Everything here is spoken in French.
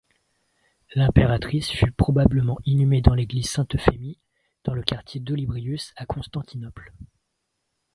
L'impératrice fut probablement inhumée dans l'église Saint-Euphémie dans le quartier d'Olybrius à Constantinople.